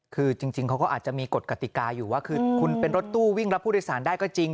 คือจริงเขาก็อาจจะมีกฎกติกาอยู่ว่าคือคุณเป็นรถตู้วิ่งรับผู้โดยสารได้ก็จริง